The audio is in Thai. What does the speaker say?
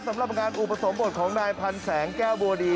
สำหรับบางอาทีมีมาู่ประสงค์ของนายพัลแสงแก้วบัวดี